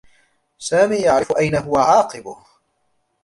سامي يعرف أين هو عاقبه.